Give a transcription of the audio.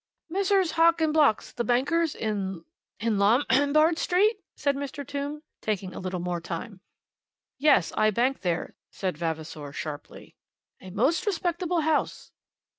"Messrs. Hock and Block's, the bankers, in Lom bard Street?" said Mr. Tombe, taking a little more time. "Yes; I bank there," said Vavasor, sharply. "A most respectable house."